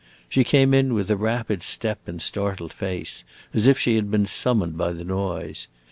She came in with a rapid step and startled face, as if she had been summoned by the noise.